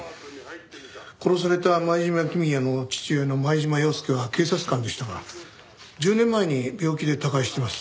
殺された前島公也の父親の前島洋輔は警察官でしたが１０年前に病気で他界してます。